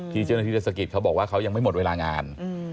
เจ้าหน้าที่เทศกิจเขาบอกว่าเขายังไม่หมดเวลางาน